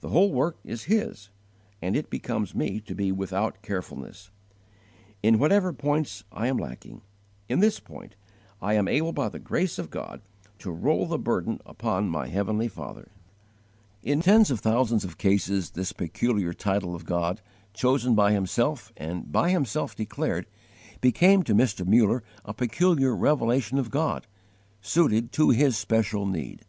The whole work is His, and it becomes me to be without carefulness. In whatever points I am lacking, in this point I am able by the grace of God to roll the burden upon my heavenly Father."* * Journal 1:285 In tens of thousands of cases this peculiar title of God, chosen by Himself and by Himself declared, became to Mr. Muller a peculiar revelation of God, suited to his special need.